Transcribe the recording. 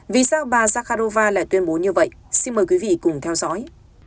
vì sao bà zakharova lại tuyên bố như vậy xin mời quý vị cùng theo dõi